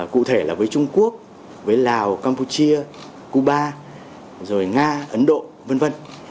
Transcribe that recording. cụ thể là với trung quốc lào campuchia cuba nga ấn độ v v